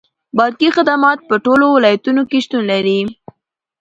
بانکي خدمات په ټولو ولایتونو کې شتون لري.